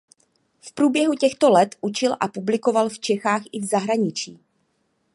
V průběhu těchto let učil a publikoval v Čechách i v zahraničí.